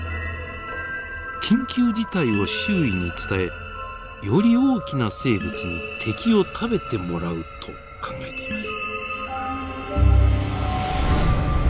緊急事態を周囲に伝えより大きな生物に敵を食べてもらうと考えています。